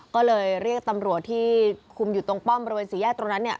ก็เลยเรียกตำรวจที่คุมอยู่ตรงป้อมบริเวณสี่แยกตรงนั้นเนี่ย